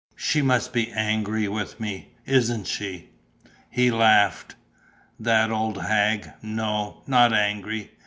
"She must be angry with me, isn't she?" He laughed: "That old hag! No, not angry.